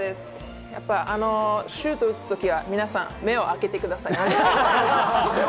シュートを打つときは、皆さん目を開けてください。